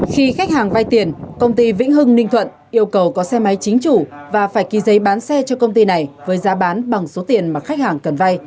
khi khách hàng vay tiền công ty vĩnh hưng ninh thuận yêu cầu có xe máy chính chủ và phải ký giấy bán xe cho công ty này với giá bán bằng số tiền mà khách hàng cần vay